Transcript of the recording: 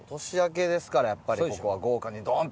年明けですからやっぱりここは。